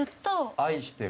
「愛してる」。